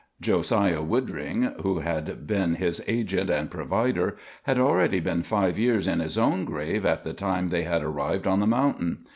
Josiah Woodring, who had been his agent and provider, had already been five years in his own grave at the time they had arrived on the mountain.